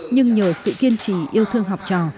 nhưng nhờ sự kiên trì yêu thương học trò